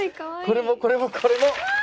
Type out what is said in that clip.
これもこれもこれも。うわ！